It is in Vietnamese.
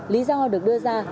lý do được đưa ra